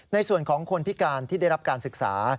ในส่วนของคนพิการที่ได้รับการศึกษา